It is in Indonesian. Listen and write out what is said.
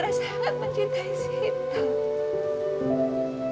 mereka sangat mencintai si hitam